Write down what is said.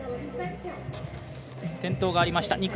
転倒がありました。